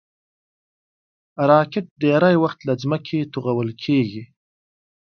راکټ ډېری وخت له ځمکې توغول کېږي